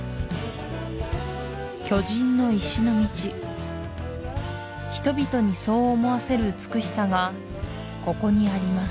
巨人の石の道人々にそう思わせる美しさがここにあります